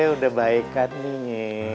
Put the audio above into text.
udah baik kan nying